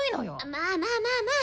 まあまあまあまあ。